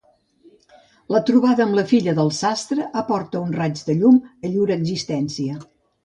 La trobada amb la filla del sastre aporta un raig de llum a llur existència.